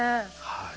はい。